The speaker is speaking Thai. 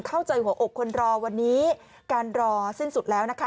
หัวอกคนรอวันนี้การรอสิ้นสุดแล้วนะคะ